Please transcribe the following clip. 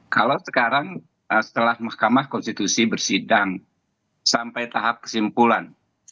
kalau sekarang setelah mahkamah konstitusi bersidang sampai tahap kesimpulan